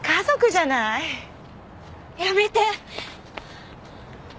やめて